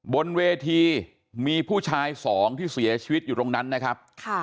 บนเวทีมีผู้ชายสองที่เสียชีวิตอยู่ตรงนั้นนะครับ